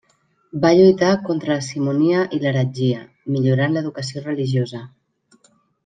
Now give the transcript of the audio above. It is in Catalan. Va lluitar contra la simonia i l'heretgia, millorant l'educació religiosa.